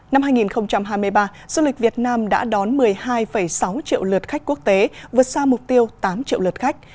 năm hai nghìn hai mươi ba du lịch việt nam đã đón một mươi hai sáu triệu lượt khách quốc tế vượt xa mục tiêu tám triệu lượt khách